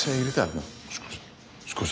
もしもし。